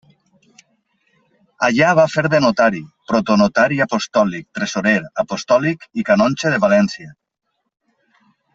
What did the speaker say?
Allà va fer de notari, protonotari apostòlic, tresorer apostòlic, i canonge de València.